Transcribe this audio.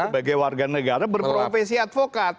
sebagai warga negara berprofesi advokat